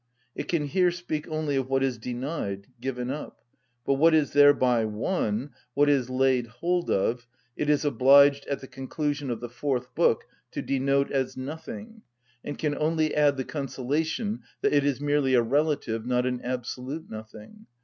It can here speak only of what is denied, given up: but what is thereby won, what is laid hold of, it is obliged (at the conclusion of the fourth book) to denote as nothing, and can only add the consolation that it is merely a relative, not an absolute nothing.